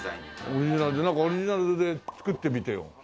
オリジナルでオリジナルで作ってみてよ。